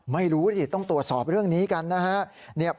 ไม่รู้ดิต้องตรวจสอบเรื่องนี้กันนะครับ